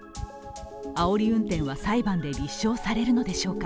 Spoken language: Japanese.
あおり運転は裁判で立証されるのでしょうか。